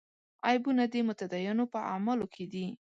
عیبونه د متدینو په اعمالو کې دي.